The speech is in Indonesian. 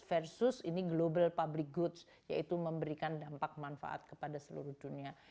versus ini global public goods yaitu memberikan dampak manfaat kepada seluruh dunia